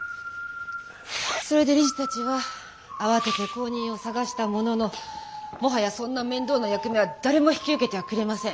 それで理事たちは慌てて後任を探したもののもはやそんな面倒な役目は誰も引き受けてはくれません。